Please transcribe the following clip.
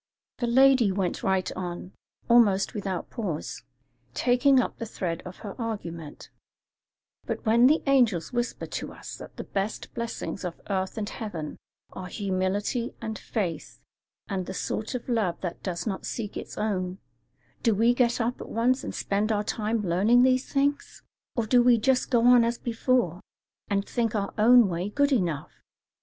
The lady went right on, almost without pause, taking up the thread of her argument: "But when the angels whisper to us that the best blessings of earth and heaven are humility and faith and the sort of love that does not seek its own, do we get up at once and spend our time learning these things? or do we just go on as before, and think our own way good enough?